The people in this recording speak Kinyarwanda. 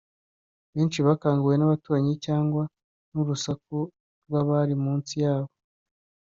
Benshi bakanguwe n’abaturanyi cyangwa n’urusaku rw’abari mu nsi yabo